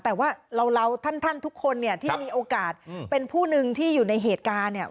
แต่ว่าเราท่านทุกคนเนี่ยที่มีโอกาสเป็นผู้หนึ่งที่อยู่ในเหตุการณ์เนี่ย